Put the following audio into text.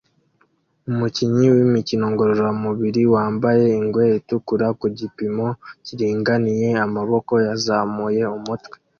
Umukinyi w'imikino ngororamubiri wambaye ingwe itukura ku gipimo kiringaniye amaboko yazamuye umutwe